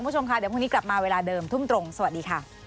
โปรดติดตามตอนต่อไป